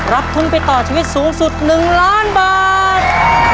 รับทุนไปต่อชีวิตสูงสุด๑ล้านบาท